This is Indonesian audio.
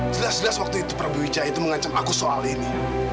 jelas jelas waktu itu prabu wica itu mengancam aku soal ini